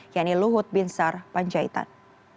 yanni luhut binsar panjaitan